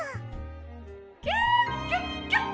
「キュキュッキュッ！